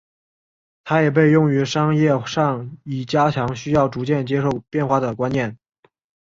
它也被用于商业上以加强需要逐渐接受变化的观念。